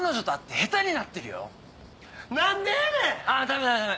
あダメダメダメ。